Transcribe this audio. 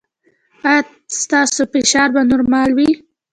ایا ستاسو فشار به نورمال وي؟